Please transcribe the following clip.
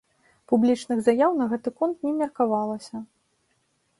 Публічных заяў на гэты конт не меркавалася.